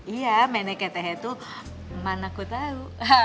iya meneketehe tuh mana ku tahu